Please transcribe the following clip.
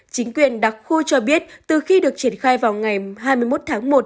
chính quyền đặc khu cho biết từ khi được triển khai vào ngày hai mươi một tháng một